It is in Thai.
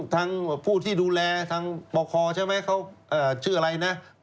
ทางผู้ที่ดูแลทางบคใช่ไหมเขาชื่ออะไรนะ